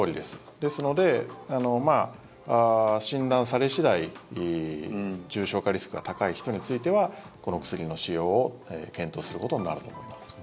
ですので、診断され次第重症化リスクが高い人についてはこの薬の使用を検討することになると思います。